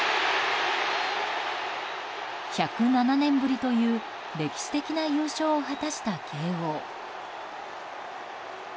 １０７年ぶりという歴史的な優勝を果たした慶応。